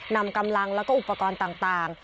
นำกำลังแล้วก็อุปกรณ์ต่าง